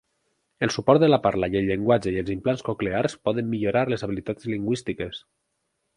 El suport de la parla i el llenguatge i els implants coclears poden millorar les habilitats lingüístiques.